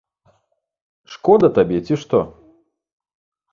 Шкода табе, ці што?